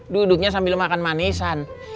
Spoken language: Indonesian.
duduknya sambil makan manisan